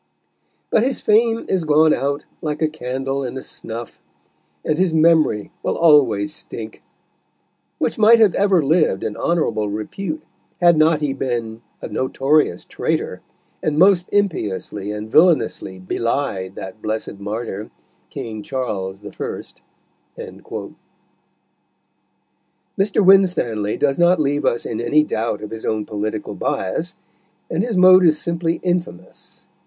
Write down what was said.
But his Fame is gone out like a Candle in a Snuff, and his Memory will always stink, which might have ever lived in honourable Repute, had not he been a notorious Traytor, and most impiously and villanously bely'd that blessed Martyr, King Charles the First." Mr. Winstanley does not leave us in any doubt of his own political bias, and his mode is simply infamous.